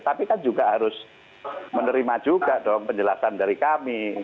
tapi kan juga harus menerima juga dong penjelasan dari kami